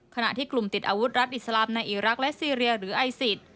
ขณะที่กลุ่มติดอาวุธรัฐอิสลามในอีรักษ์และซีเรียหรือไอซิส